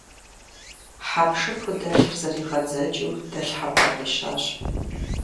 Хьэпшыпу дэлъыр зэригъэдзэкӀыу дэлъхьэпӏэр къищащ.